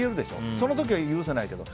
その時は許せないけど。